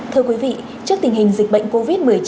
thưa quý vị trước tình hình dịch bệnh covid một mươi chín